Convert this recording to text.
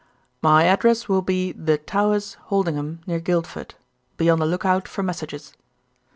"My address will be The Towers, Holdingham, near Guildford. Be on the look out for messages."